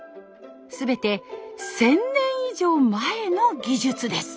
全て１，０００年以上前の技術です。